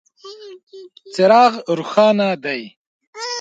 څراغ روښانه دی .